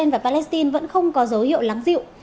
và palestine vẫn không có dấu hiệu lắng dịu